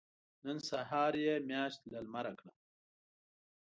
نن سهار يې مياشت له لمره کړه.